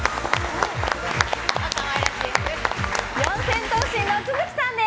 四千頭身の都築さんです。